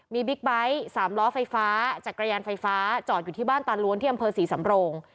มีบิ๊กไบท์๓ล้อไฟฟ้าจักรยานไฟฟ้าจอดอยู่ที่บ้านตาล้วนที่อำเภอศรีสำโรง